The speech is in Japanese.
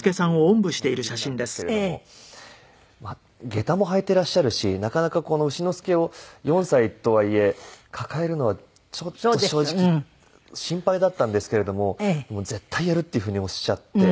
ゲタも履いていらっしゃるしなかなかこの丑之助を４歳とはいえ抱えるのはちょっと正直心配だったんですけれども「絶対やる」っていうふうにおっしゃって。